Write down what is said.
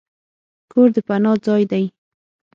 کور د پناه ځای دی.